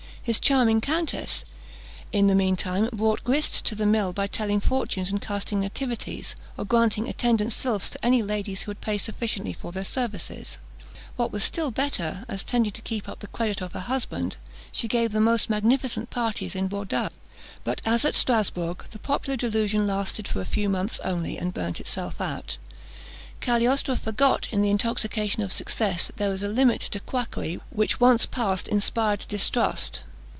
His charming countess, in the meantime, brought grist to the mill by telling fortunes and casting nativities, or granting attendant sylphs to any ladies who would pay sufficiently for their services. What was still better, as tending to keep up the credit of her husband, she gave the most magnificent parties in Bourdeaux. But as at Strasbourg, the popular delusion lasted for a few months only, and burned itself out; Cagliostro forgot, in the intoxication of success, that there was a limit to quackery which once passed inspired distrust.